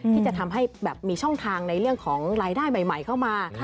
ที่จะทำให้แบบมีช่องทางในเรื่องของรายได้ใหม่เข้ามา